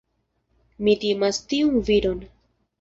Mi timas tiun viron.